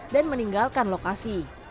dan meninggalkan lokasi